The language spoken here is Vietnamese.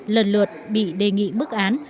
lần lượt bị đề nghị bức án